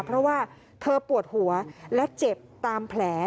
เพราะว่าเธอปวดหัวและเจ็บตามแผล